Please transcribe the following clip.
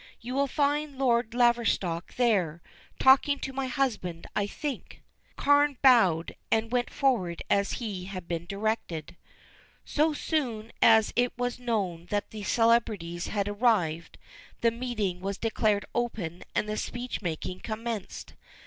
You will find Lord Laverstock there, talking to my husband, I think." Carne bowed, and went forward as he had been directed. So soon as it was known that the celebrities had arrived, the meeting was declared open and the speech making commenced.